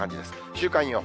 週間予報。